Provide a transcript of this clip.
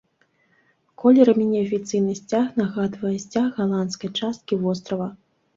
Колерамі неафіцыйны сцяг нагадвае сцяг галандскай часткі вострава.